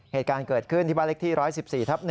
เหตุการณ์เกิดขึ้นที่บ้านเล็กที่๑๑๔ทับ๑